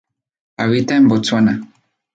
Habita en Botsuana.